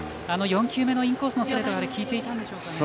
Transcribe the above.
４球目のインコースのストレートが利いていたんでしょうかね。